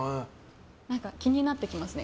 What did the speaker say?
気になってきますね。